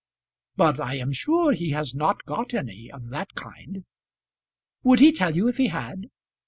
"But I am sure he has not got any, of that kind." "Would he tell you if he had?"